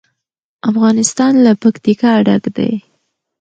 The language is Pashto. افغانستان له پکتیکا ډک دی.